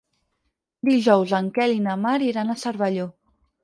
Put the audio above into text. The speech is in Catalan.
Dijous en Quel i na Mar iran a Cervelló.